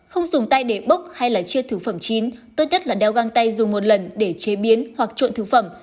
không dùng tay để bốc hay là chia thực phẩm chín tốt nhất là đeo găng tay dùng một lần để chế biến hoặc trộn thực phẩm